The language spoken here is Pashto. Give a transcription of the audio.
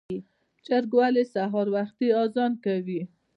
چرګ ولې سهار وختي اذان کوي؟